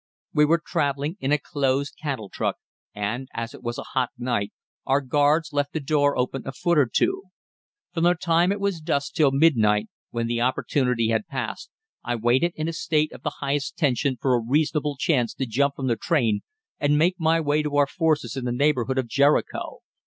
We were traveling in a closed cattle truck, and, as it was a hot night, our guards left the door open a foot or two. From the time it was dusk till midnight, when the opportunity had passed, I waited in a state of the highest tension for a reasonable chance to jump from the train and make my way to our forces in the neighborhood of Jericho.